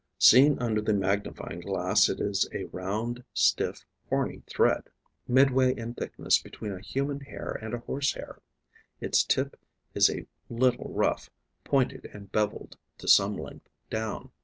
Seen under the magnifying glass, it is a round, stiff, horny thread, midway in thickness between a human hair and a horse hair. Its tip is a little rough, pointed and bevelled to some length down.